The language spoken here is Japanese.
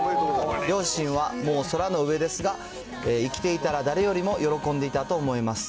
両親はもう空の上ですが、生きていたら誰よりも喜んでいたと思います。